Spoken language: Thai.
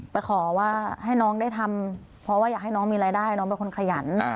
ไปขอว่าให้น้องได้ทำเพราะว่าอยากให้น้องมีรายได้น้องเป็นคนขยัน